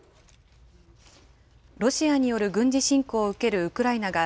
ロシアによる軍事侵攻を受けるウクライナが、